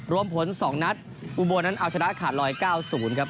รวมผล๒นัดอุบลนั้นเอาชนะขาดลอย๙๐ครับ